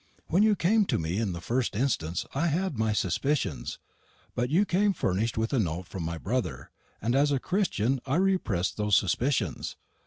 When you came to me in the first instance, I had my suspicions; but you came furnished with a note from my brother, and as a Christian I repressed those suspicions.